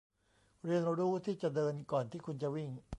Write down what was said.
เรียนรู้ที่จะเดินก่อนที่คุณจะวิ่ง